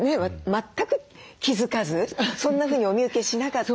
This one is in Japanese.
全く気付かずそんなふうにお見受けしなかったので。